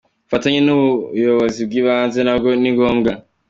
Ubufatanye n’ubuyobizi bw’ibanze na bwo ni ngombwa.